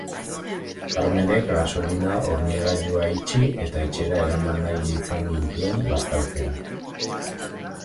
Carmenek gasolina-hornigailua itxi, eta etxera eraman nahi izan gintuen bazkaltzera.